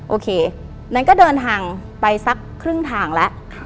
โอเคงั้นก็เดินทางไปสักครึ่งทางแล้ว